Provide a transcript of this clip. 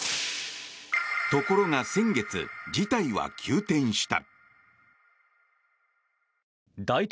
ところが先月、事態は急転した。